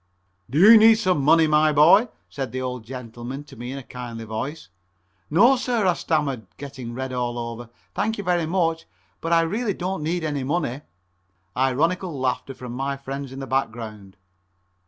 "Do you need some money, my boy?" said the old gentleman to me in a kindly voice. "No, sir," I stammered, getting red all over, "thank you very much, but I really don't need any money." Ironical laughter from my friends in the background.